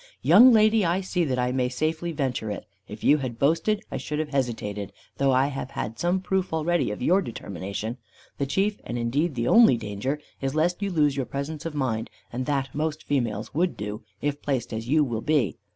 "Young lady, I see that I may safely venture it. If you had boasted, I should have hesitated, though I have had some proof already of your determination. The chief, and indeed the only danger, is lest you lose your presence of mind, and that most females would do, if placed as you will be.